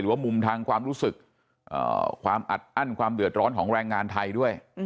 ว่ามุมทางความรู้สึกความอัดอั้นความเดือดร้อนของแรงงานไทยด้วย